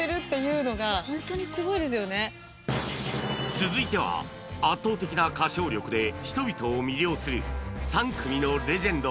続いては圧倒的な歌唱力で人々を魅了する３組のレジェンド